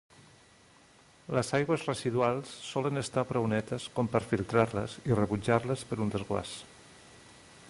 Les aigües residuals solen estar prou netes com per filtrar-les i rebutjar-les per un desguàs.